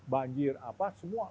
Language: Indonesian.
banjir apa semua